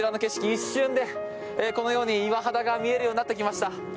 一瞬で、このように岩肌が見えるようになってきました。